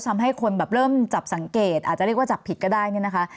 ทำให้คนแบบเริ่มจับสังเกตอาจจะเรียกว่าจับผิดก็ได้เนี่ยนะคะ